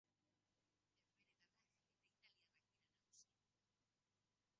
Herbeheretarrak eta italiarrak dira nagusi.